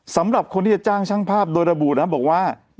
สำหรับคนที่จะจ้างช่างภาพโดยระบุนะบอกว่า